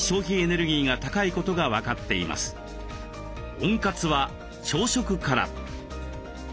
温活は朝食から！